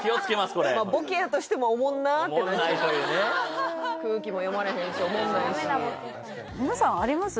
これボケやとしてもおもんなって空気も読まれへんしおもんないし皆さんあります？